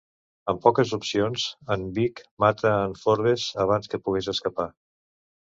Amb poques opcions, en Vic mata en Forbes abans que pugues escapar.